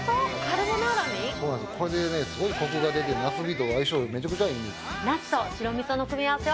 これでねすごいコクが出てナスビと相性めちゃくちゃいいんです。